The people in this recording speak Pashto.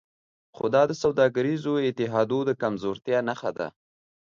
خو دا د سوداګریزو اتحادیو د کمزورتیا نښه نه ده